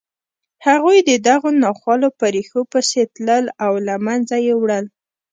هغوی د دغو ناخوالو په ریښو پسې تلل او له منځه یې وړل